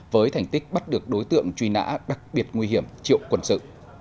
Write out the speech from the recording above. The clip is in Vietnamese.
với thành tích bắt được đối tượng truy nã đặc biệt nguy hiểm triệu quân sự